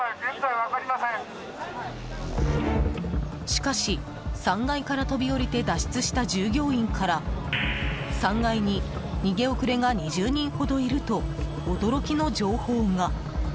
しかし、３階から飛び降りて脱出した従業員から３階に逃げ遅れが２０人ほどいると驚きの情報が。